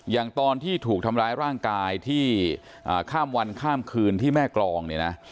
อย่างที่ถูกทำร้ายร่างกายที่ข้ามวันข้ามคืนที่แม่กรองเนี่ยนะ